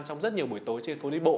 trong rất nhiều buổi tối trên phố lý bộ